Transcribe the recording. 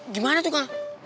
gimana tuh kak